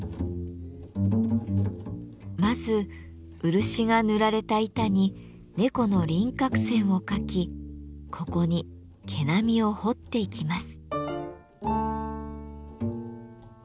まず漆が塗られた板に猫の輪郭線を描きここに毛並みを彫っていきます。